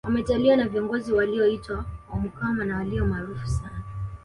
Wametawaliwa na viongozi walioitwa omukama na walio maarufu sana